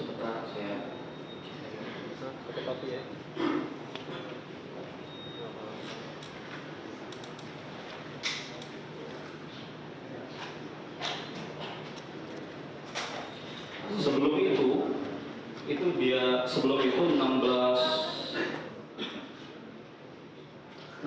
pertama kali dia masuk ke meja lima puluh empat